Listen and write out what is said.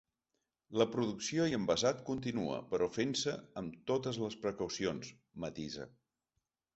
“La producció i envasat continua, però fent-se amb totes les precaucions”, matisa.